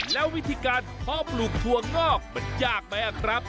แล้ววิธีการเพาะปลูกถั่วงอกมันยากไหมครับ